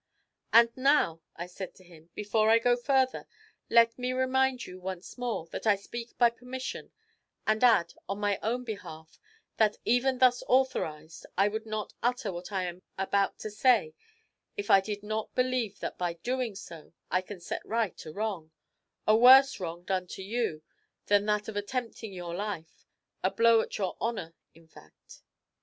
'And now,' I said to him, 'before I go further, let me remind you once more that I speak by permission, and add, on my own behalf, that, even thus authorized, I would not utter what I am about to say if I did not believe that by so doing I can set right a wrong, a worse wrong done to you than that of attempting your life a blow at your honour, in fact.'